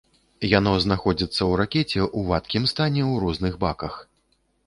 Яно знаходзіцца ў ракеце ў вадкім стане ў розных баках.